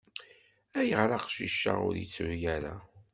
-Ayɣer aqcic-a ur yettru ara.